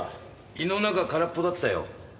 胃の中空っぽだったよ。